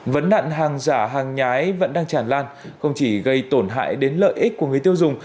vấn đạn hàng giả hàng nhái vẫn đang chản lan không chỉ gây tổn hại đến lợi ích của người tiêu dùng